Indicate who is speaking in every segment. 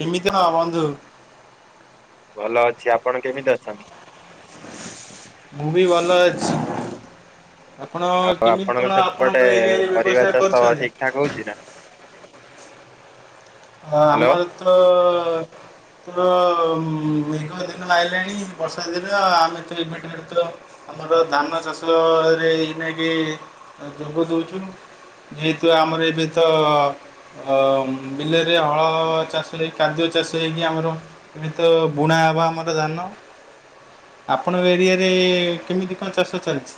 Speaker 1: କେମିତି ହଁ ବନ୍ଧୁ।
Speaker 2: ଭଲ ଅଛି ଆପଣ କେମିତି ଅଛନ୍ତି?
Speaker 1: ମୁଁ ବି ଭଲ ଅଛି। ଆପଣ
Speaker 2: ଆଉ
Speaker 1: କେମିତି
Speaker 2: ଆପଣଙ୍କ
Speaker 1: କଣ ଆପଣଙ୍କ
Speaker 2: ସେପଟେ
Speaker 1: ଏରିଆରେ
Speaker 2: ପରିବା
Speaker 1: ବ୍ୟବସାୟ
Speaker 2: ଚାଷ
Speaker 1: କରୁଛନ୍ତି?
Speaker 2: ଠିକ ଠାକ ହଉଛି ନା।
Speaker 1: ହଁ
Speaker 2: ହ୍ୟାଲୋ
Speaker 1: ଆମର ତ ତ। ତ ମେଘ ଦିନ ଆଇଲାଣି ବର୍ଷା ଦିନ ଆମେ ତ ଏବେଠାରୁ ତ ଆମର ଧାନ ଚାଷରେ ଏଇ ନେଇକି ଯୋଗ ଦଉଚୁ ଯେହେତୁ ଆମର ଏବେ ତ ଅମ। ବିଲରେ ହଳ ଚାଷ ହେଇ କାଦୁଅ ଚାଷ ହେଇକି ଆମର ଏବେ ତ ବୁଣା ହେବା ଆମର ଧାନ ଆପଣଙ୍କ ଏରିଆରେ କେମିତି କଣ ଚାଷ ଚାଲିଛି?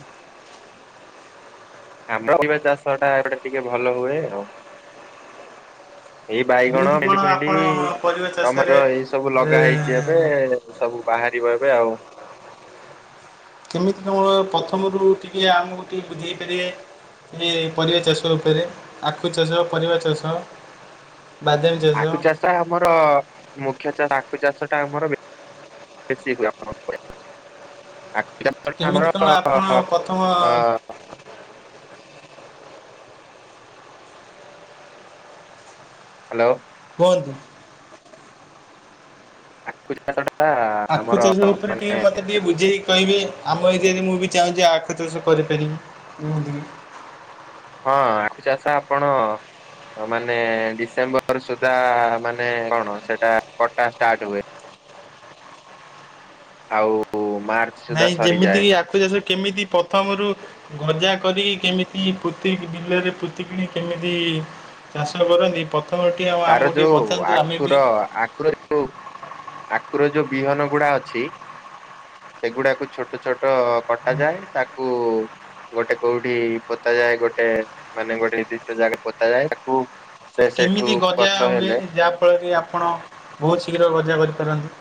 Speaker 2: ଆମ୍ବ [inaudible] ପରିବା ଚାଷଟା ଏପଟେ ଟିକେ ଭଲ ହୁଏ ଆଉ। ଏଇ ବାଇଗଣ
Speaker 1: କେମିତି କଣ
Speaker 2: ଭେଣ୍ଡି ଫେଣ୍ଡି
Speaker 1: ଆପଣ ପରିବା ଚାଷରେ
Speaker 2: ଟମାଟୋ ଏଇ ସବୁ
Speaker 1: ଏ
Speaker 2: ଲଗା ହେଇଚି ଏବେ ସବୁ ବାହାରିବ ଏବେ ଆଉ।
Speaker 1: କେମିତି ତମର ପଥମରୁ ଟିକେ ଆମକୁ ଟିକେ ବୁଝେଇ ପାରିବେ ଯେ ପରିବା ଚାଷ ଉପରେ ଆଖୁ ଚାଷ ପରିବା ଚାଷ।
Speaker 2: ଆଖୁ ଚାଷ ଆମର ମୁଖ୍ୟ ଚାଷ ଆଖୁ ଚାଷ। ଟା ଆମର ବେ ବେଶୀ ହୁଏ ଆମର ଏପଟେ ଆଖୁ [unintelligible]
Speaker 1: କେମିତି
Speaker 2: ଆମର
Speaker 1: କଣ ଆପଣ
Speaker 2: ଅ-ଅ-ଅ
Speaker 1: ପ୍ରଥମ
Speaker 2: ଅ। ହାଲୋ।
Speaker 1: କୁହନ୍ତୁ।
Speaker 2: ଆଖୁ ଚାଷଟା।
Speaker 1: ଆଖୁ ଚାଷ ଉପରେ ଟିକେ ମତେ ଟିକେ ବୁଝେଇକି କହିବେ ଆମ ଏରିଆରେ ମୁଁ ବି। ଚାହୁଁଚି ଆଖୁ ଚାଷ କରିପାରିବି ଏମିତି ବି।
Speaker 2: ହଁ ଆଖୁ ଚାଷ ଆପଣ ମାନେ ଡିସେମ୍ବର ସୁଦା ମାନେ କଣ ସେଟା କଟା ଷ୍ଟାର୍ଟ ହୁଏ। ଆଉ। ମାର୍ଚ୍ଚ ସୁଦ୍ଧା
Speaker 1: ନାଇଁ ଯେମିତି
Speaker 2: ସରିଯାଏ।
Speaker 1: କି ଆଖୁ ଚାଷ କେମିତି ପଥମରୁ ଗଜା। କରି କେମିତି ପୋତି କି ବିଲରେ ପୋତିକିିଣି କେମିତି ଚାଷ କରନ୍ତି ପ
Speaker 2: ତାର ଯୋଉ ଆଖୁର ଆଖୁର ଯୋଉ ଆଖୁର ଯୋଉ ବିହନ ଗୁଡ଼ା ଅ ଛି ସେଗୁଡାକୁ ଛୋଟ ଛୋ ଟ କଟା ଯାଏ ତାକୁ ଗୋଟେ କୋଉଠି ପୋତା ଯାଏ ଗୋଟେ ମାନେ ଗୋଟେ ନିର୍ଦ୍ଦିଷ୍ଟ ଜାଗାରେ ପୋତା ଯାଏ ତାକୁ ସେ ସେଠୁ
Speaker 1: କେମିତି ଗ ଯା
Speaker 2: ଗଛ
Speaker 1: ହୁଏ
Speaker 2: ହେଲେ
Speaker 1: ଯାହା ଫଳରେ ଆପଣ ବହୁତ ଶୀଘ୍ର ଗଜା କ ଏ ପାରନ୍ତି।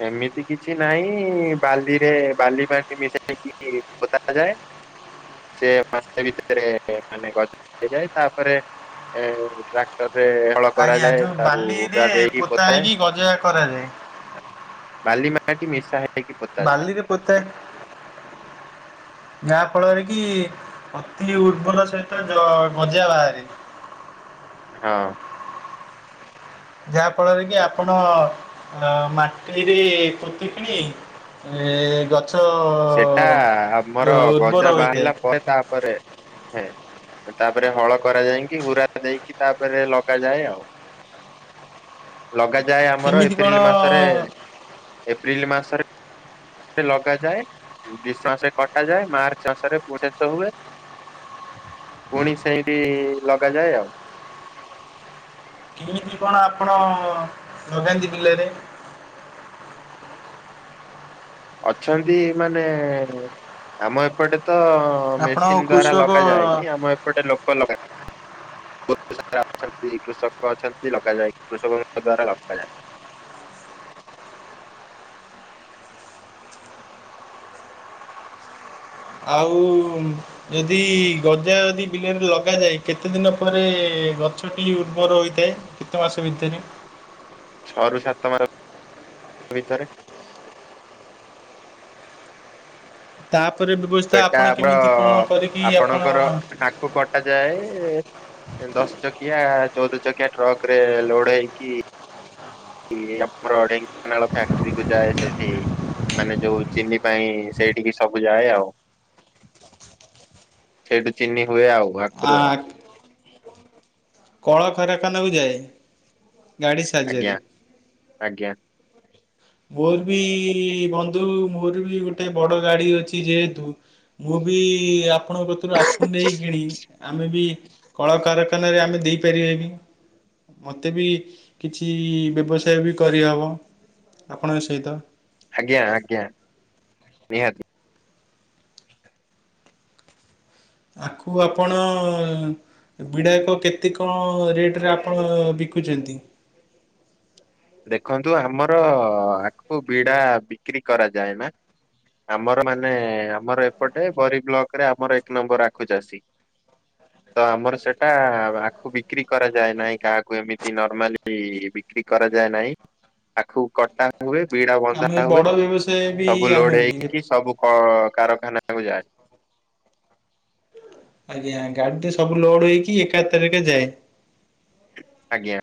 Speaker 2: ସେମିତି କିଛି ନାହିଁ ବାଲିରେ ବାଲି ମାଟି ମିଶେଇକି ପୋତା ଯାଏ ସେ ମାସେ ଭିତରେ ମାନେ ଗଜା ହେଇଯାଏ ତାପରେ ଏ ଟ୍ରାକ୍ଟର ରେ ହଳ
Speaker 1: ଆଜ୍ଞା
Speaker 2: କରାଯାଏ
Speaker 1: ଯୋଉ
Speaker 2: ତାକୁ
Speaker 1: ବାଲିରେ
Speaker 2: ପୁରା ଦେଇକି
Speaker 1: ପୋତା
Speaker 2: ପୋତାଏ।
Speaker 1: ହେଇକି ଗଜା କରାଯାଏ।
Speaker 2: ବାଲି ମାଟି ମିଶା ହେଇ
Speaker 1: ବାଲିରେ ପୋତେ। ଯାହା ଫଳରେ କି ଅତି ଉର୍ବର ସହିତ ଜ ଗଜା ବାହାରେ।
Speaker 2: ହଁ।
Speaker 1: ଯାହା ଫଳରେ କି ଆପଣ ମାଟିରେ ପୋତିକିଣି ଏ ଗଛ
Speaker 2: ସେଟା
Speaker 1: ଅ,
Speaker 2: ଆମର
Speaker 1: ଉର୍ବର
Speaker 2: ଗଜା
Speaker 1: ହୋଇଥାଏ
Speaker 2: ବାହାରିଲା ପରେ ତାପରେ। [inaudible] ତାପରେ ହଳ କରାଯାଇଁକି ହୁରା ଦେଇକି ତାପରେ ଲଗାଯାଏ ଆଉ। ଲଗାଯାଏ ଆମର
Speaker 1: କେମିତି କଣ
Speaker 2: ଏପ୍ରିଲ ମାସରେ ଏପ୍ରିଲ ମାସରେ। [inaudible] ଲଗାଯାଏ ଡିସେ ମାସରେ କଟା ଯାଏ ମାର୍ଚ୍ଚ ମାସରେ [inaudible] ଶେଷ ହୁଏ। ପୁଣି ସେଇଠି ଲଗାଯାଏ ଆଉ।
Speaker 1: କିମିତି କଣ ଆପଣ ଲଗାନ୍ତି ବିଲେରେ?
Speaker 2: ଅଛନ୍ତି ମାନେଏଏ ଆମ ଏପଟେ। ତ
Speaker 1: ଆପଣ
Speaker 2: ମେସିନ ଦ୍ଵାରା
Speaker 1: କୃଷକ
Speaker 2: ଲଗାାଯାଏନି, ଆମ ଏପଟେ ଲୋକ ଲଗାନ୍ତି। ବହୁତ ସାରା ଅଛନ୍ତି, କୃଷକ ଅଛନ୍ତି ଲଗାଯାଏ କୃଷକଙ୍କ ଦ୍ଵାରା ଲଗାଯାଏ।
Speaker 1: ଆଉଉ ଯଦି ଗଜା ଯଦି ବିଲରେ ଲଗାଯାଏ କେତେ ଦିନ ପରେ ଗଛଟି ଉର୍ବର ହୋଇଥାଏ, କେତେ ମାସ ଭିତରେ?
Speaker 2: ଛଅ ରୁ ସାତ ମାସ, ଭିତରେ।
Speaker 1: ତାପ୍
Speaker 2: ସେଇଟା ଆମର
Speaker 1: ଆପଣ
Speaker 2: ଆପଣଙ୍କର ଆଖୁ କଟା ଯାଏ, ଦଶ ଚକିଆ ଚୋଉଦ ଚକିଆ ଟ୍ରକରେ ଲୋଡ ହେଇକି କି ଆମର ଢେଙ୍କାନାଳ ଫ୍ୟାକ୍ଟ୍ରିକୁ ଯାଏ ସେଠି ମାନେ ଯୋଉ ଚିନି ପାଇଁ ସେଇଠିକି ସବୁ ଯାଏ ଆଉ, ସେଇଠୁ ଚିନି ହୁଏ ଆଉ।
Speaker 1: ଆ,
Speaker 2: ଆଖୁରୁ ଆଉ
Speaker 1: କଳ କାରଖାନାକୁ ଯାଏ। ଗାଡ଼ି
Speaker 2: ଆଜ୍ଞା
Speaker 1: ସାହାଯ୍ୟରେ
Speaker 2: ଆଜ୍ଞା।
Speaker 1: ମୋର ବିଇଇ ବନ୍ଧୁ ମୋର ବି ଗୋଟେ ବଡ ଗାଡି ଅଛି ଯେହେତୁ, ମୁଁ ବି ଆପ୍ ଆପଣଙ୍କ କତୁରୁ ଆଖୁ ନେଇ କିଣି ଆମେ ବି କଳକାରଖାନାରେ ଆମେ ଦେଇପାରିବାନି, ମତେ ବି କିଛି ବ୍ୟବସାୟ ବି କରିହବ। ଆପଣଙ୍କ ସହିତ।
Speaker 2: ଆଜ୍ଞା ଆଜ୍ଞା, ନିହାତି।
Speaker 1: ଆଖୁ ଆପଣଅଅ ବିଡାକ କେତେ କଣ ରେଟରେ ଆପଣ ବିକୁଚନ୍ତି?
Speaker 2: ଦେଖନ୍ତୁ ଆମରଅଅ ଆଖୁ ବିଡା ବିକ୍ରି କରାଯାଏ ନା, ଆମର ମାନେ ଆମର ଏପଟେ ବରୀ ବ୍ଲକରେ ଆମର ଏକ ନମ୍ବର ଆଖୁ ଚାଷୀ। ତ ଆମର ସେଟା ଆଖୁ ବିକ୍ରି କରାଯାଏ ନାହିଁ କାହାକୁ ଏମିତି ନର୍ମାଲି ବିକ୍ରି କରା ଯାଏ ନାଇଁ ଆଖୁ କଟା ହୁଏ ବିଡା
Speaker 1: ଆମେ
Speaker 2: ବନ୍ଧା ହୁଏ
Speaker 1: ବଡ ବ୍ୟବସାୟ ବି
Speaker 2: ସବୁ
Speaker 1: ଆମେ
Speaker 2: ଲୋଡ
Speaker 1: ବି
Speaker 2: ହେଇକି ସବୁ କ କାରଖାନା କୁ ଯାଏ। [inaudible]
Speaker 1: ଆଜ୍ଞା ଗାଡିଟି ସବୁ ଲୋଡ ହେଇକି ଏକା ଥରକେ ଯାଏ।
Speaker 2: ଆଜ୍ଞା।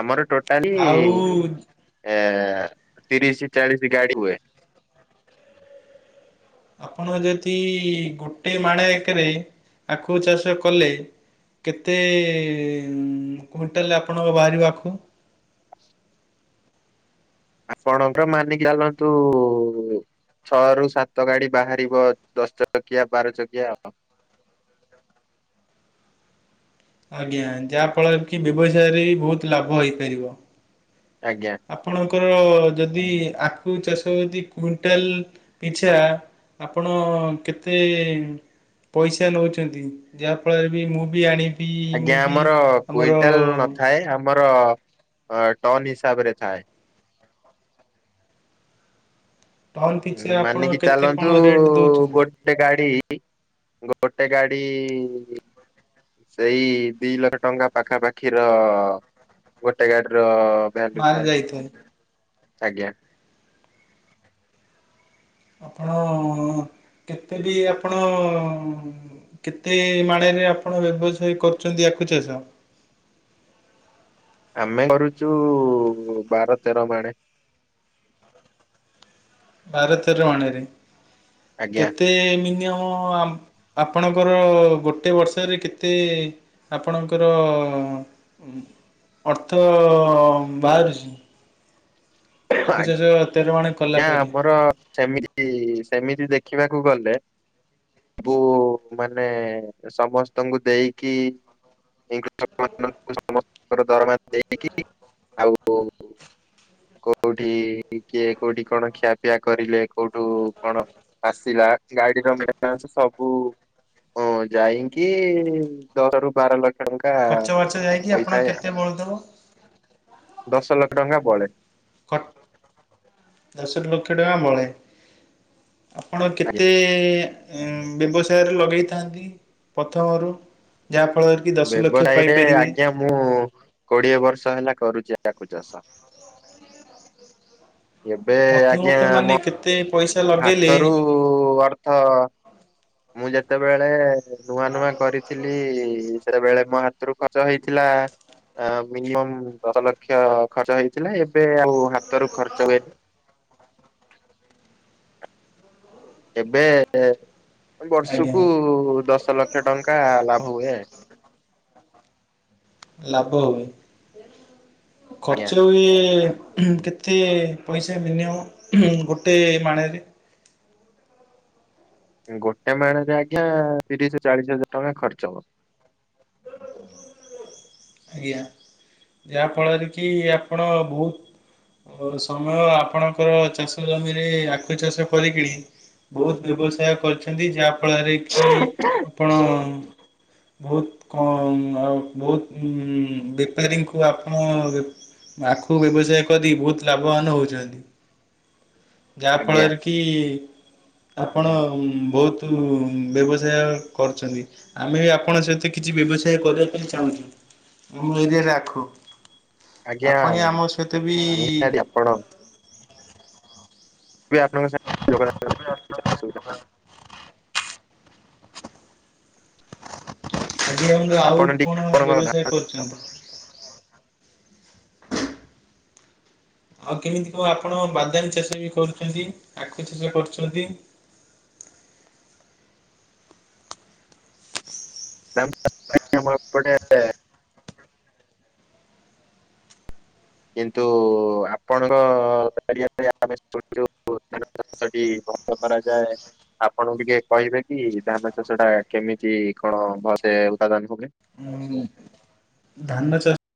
Speaker 2: ଆମର ଟୋଟାଲି
Speaker 1: ଆଉ
Speaker 2: [inaudible] ଏଁ ତିରିଶ ଚାଳିଶ ଗାଡି ହୁଏ। [inaudible]
Speaker 1: ଆପଣ ଯଦି ଗୋଟେ ମାଣେ ଏକରେ ଆଖୁ ଚାଷ କଲେ କେତେ ଏ କୁଇଣ୍ଟାଲ ଆପଣଙ୍କ ବାହାରିବ ଆଖୁ? [inaudible]
Speaker 2: ଆପଣଙ୍କ ମାନିକି ଚାଲନ୍ତୁ ଉ ଉ ଛଅରୁୁ ସାତ ଗାଡି ବାହାରିବ ଦଶ ଚକିଆ ବାର ଚକିଆ ଆଉ [inaudible]
Speaker 1: ଆଜ୍ଞା ଯାହା ଫଳରେ କି ବ୍ୟବସାୟରେ ବି ବୋହୁତ ଲାଭ ହେଇପାରିବ।
Speaker 2: ଆଜ୍ଞା
Speaker 1: ଆପଣଙ୍କର ଯଦି ଆ ଆଖୁ ଚାଷ ଯଦି କୁଇଣ୍ଟାଲ ପିଛା ଆପଣ କେତେ-ଏ ପଇସା ନୋଉଚନ୍ତି ଯାହାଫଳରେ ବି ମୁଁ ବି ଆଣିି
Speaker 2: ଆଜ୍ଞା ଆମର କୁଇଣ୍ଟାଲ ନଥାଏ, ଆମର ଅ ଟନ ହିସାବରେ ଥାଏ। [inaudible]
Speaker 1: ଟନ୍ ପିଛା ଆପଣ
Speaker 2: ମାନିକି
Speaker 1: କେତେ
Speaker 2: ଚାଲନ୍ତୁ
Speaker 1: କଣ ରେଟ୍ ଦଉଛନ୍ତି
Speaker 2: ଗୋଟେ ଗାଡି ଇ [unintelligible] ଗୋଟେ ଗାଡି ଇ ସେଇ ଦି ଲକ୍ଷ ଟଙ୍କା ପାଖାପାଖିର [inaudible] ଗୋଟେ ଗାଡି ର ଅ
Speaker 1: ମାଲ ଯାଇଥାଏ।
Speaker 2: ଆଜ୍ଞା।
Speaker 1: ଆପଣ କେତେ ବି ଆପଣ କେତେ ମାଣରେ ଆପଣ ବ୍ୟବସାୟ କରୁଛନ୍ତି ଆଖୁ ଚାଷ?
Speaker 2: ଆମେ କରୁଛୁ ବାର ତେର ମାଡେ [inaudible]
Speaker 1: ଭାରତେର ଅଣରେ
Speaker 2: ଆଜ୍ଞା
Speaker 1: କେତେ ମିନିଅମ ମୁଁ ଆପଣଙ୍କର ଗୋଟଏ ବର୍ଷରେ କେତେ ଆପଣଙ୍କର [inaudible] ଅର୍ଥ ବାହାରୁଛି? ଆକୁ ଚାଷ ତେର ମାଣେ
Speaker 2: ଜ୍ଞା ଆମର ଯେମିତି ସେମିତି ଦେଖି ଦେଖିବାକୁ ଗଲେ ବୁ ଉ ମାନେ ସମସ୍ତଙ୍କୁ ଦେଇକିୃକ ମାନଙ୍କୁ ସମସ୍ତଙ୍କର ଦରମା ଦେଇକି ଆଉ କୋଉଠି କିଏ କୋଉଠି କଣ ଖିଆପିଆ କରିଲେ କୋଉଠୁ କଣ ଆସିଲା ଗାଡିର ମେସ ସବୁ ଯାଇକି ଦଶ ରୁ ବାର ଲକ୍ଷ ଟଙ୍କା
Speaker 1: ଖର୍ଚ୍ଚ ବାର୍ଚ୍ଚ ଯାଇକି ଆପଣ
Speaker 2: ହୋଇଥାଏ ଆଉ
Speaker 1: କେତେ ବଳୁଥିବା
Speaker 2: ଡଙ୍ଗା ପଳେ
Speaker 1: [unintelligible] ଦଶ ଲକ୍ଷ ଟଙ୍କା ବଳେ ଆପଣ
Speaker 2: ଆଜ୍ଞା
Speaker 1: କେତେ ଏ ଏ ଉ ବ୍ୟବସାୟରେ ଲଗେଇଥାନ୍ତି ପ୍ରଥମରୁ ଯାହାଫଳରେ କି ଦଶ ଲକ୍ଷ
Speaker 2: ବ୍ୟବସାୟ ରେ
Speaker 1: ପାଇପାରିବେ
Speaker 2: ଆଜ୍ଞା ମୁଁ କୋଡିଏ ବର୍ଷ ହେଲା କରୁଛି। ଆକୁ ଚାଷ। [inaudible]
Speaker 1: ପ୍ରଥମ ତ ମାନେ କେତେ ପଇସା ଲଗେଇଲେ
Speaker 2: ହାତ ରୁ ଅର୍ଥ ମୁଁ ଯେତେବେଳେ ନୂଆ ନୂଆ କରିଥିଲି ଇ ସେତେବେଳେ ମୋ ହାତରୁ ଖର୍ଚ୍ଚ ହେଇଥିଲା ମିନିମମ୍ ଦଶ ଲକ୍ଷ ଖର୍ଚ୍ଚ ହେଇଥିଲା ଏବେ ଆଉ ହାତରୁ ଖର୍ଚ୍ଚ ହୁଏନି। ଏବେ ଏ
Speaker 1: ଆଜ୍ଞା
Speaker 2: ବର୍ଷକୁ ଦଶ ଲକ୍ଷ ଟଙ୍କା ଲାଭ ହୁଏ।
Speaker 1: ଲାଭ ହୁଏ।
Speaker 2: ଆଜ୍ଞା।
Speaker 1: ଖର୍ଚ୍ଚ ହୁଏ ଉହୁଁ କେତେ ପଇସା ମିନିମମ୍ ଉହୁଁ ଗୋଟେ ମାଣରେ?
Speaker 2: ଗୋଟେ ମାଣରେ ଆଜ୍ଞା ତିରିଶ ଚାଳିଶ ହଜାର ଟଙ୍କା ଖର୍ଚ୍ଚ ହବ।
Speaker 1: ଆଜ୍ଞା ଯାହା ଫଳରେ କି ଆପଣ ବହୁତ ଅ ସମୟ ଆପଣଙ୍କର ଚାଷ ଜମିରେ ଆଖୁ ଚାଷ କରିକିଡି ବହୁତ ବ୍ୟବସାୟ କରିଛନ୍ତି। ଯାହା ଫଳରେ କି ଆପଣ ବହୁତ କଣ ଅ ଅ ବହୁତ ଉଁ ବେପାରୀଙ୍କୁ ଆପଣ ଆଖୁ ବ୍ୟବସାୟ କରି ବହୁତ ଲାଭବାନ ହଉଛନ୍ତି। ଯାହା
Speaker 2: ଆଜ୍ଞା।
Speaker 1: ଫଳରେ କି ଆପ୍ ଆପଣ ବହୁତ ବ୍ୟବସାୟ କରୁଛନ୍ତି। ଆମେ ଆପଣଙ୍କ ସହିତ କିଛି ବ୍ୟବସାୟ କରିବା ପାଇଁ ଚାହୁଁଛୁ? ଆମ ଏରିଆରେ ଆଖୁ
Speaker 2: ଆଜ୍ଞା
Speaker 1: ଆପଣ ଆମ ସହିତ ବି
Speaker 2: ନିହାତି ଆପଣ ମୁଁ ବି ଆପଣଙ୍କ [inaudible]
Speaker 1: ଆଜ୍ଞା ଆଜ୍ଞା
Speaker 2: ଆପଣ
Speaker 1: ଆଉ କଣ
Speaker 2: ଟିକେ ଆପଣଙ୍କ
Speaker 1: ବ୍ୟବସାୟ କରୁଛନ୍ତି? ଆଉ କେମିତି କଣ ଆପଣ ବାଦାମ ଚାଷ ବି କରୁଛନ୍ତି, ଆଖୁ ଚାଷ କରୁଛନ୍ତି?
Speaker 2: [inaudible] ଏପଟେ କିନ୍ତୁ ଆପଣଙ୍କ ଗା [inaudible] ଯଉ ଧାନ ଚାଷଟି ଭନ୍ଦ କରାଯାଏ ଆପଣ ଟିକେ କହିବେ କି ଧାନ ଚାଷ ଟା କେମିତି କଣ ଭସେ ଉତ୍ପାଦନ ହୁଏ।
Speaker 1: ମୁଁ ଧାନ ଚା-